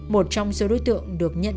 một trong số đối tượng được nhận